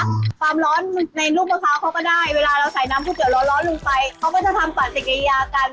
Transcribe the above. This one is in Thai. ความร้อนในลูกมะพร้าวเขาก็ได้เวลาเราใส่น้ำก๋วเตี๋ร้อนลงไปเขาก็จะทำปฏิกิริยากัน